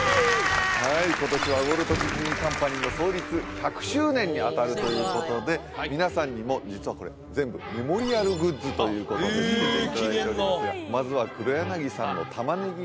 はい今年はウォルト・ディズニー・カンパニーの創立１００周年にあたるということで皆さんにも実はこれ全部メモリアルグッズということで着けていただいておりますがまずは黒柳さんのタマネギ